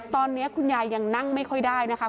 ตอนนี้คุณยายยังนั่งไม่ค่อยได้นะคะ